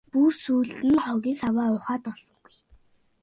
Бүр сүүлд нь хогийн саваа ухаад олсонгүй.